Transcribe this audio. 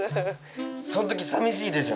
そのとき寂しいでしょ？